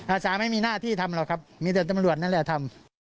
อาสาไม่มีหน้าที่ทำหรอกครับมีแต่ตำรวจนั่นแหละทำ